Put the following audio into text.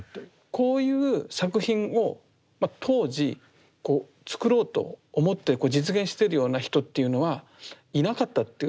こういう作品を当時作ろうと思って実現してるような人っていうのはいなかったっていう？